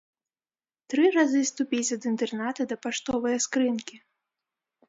Тры разы ступіць ад інтэрната да паштовае скрынкі.